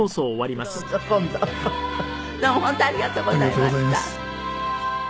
どうも本当ありがとうございました。